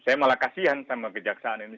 saya malah kasian sama kejaksaan ini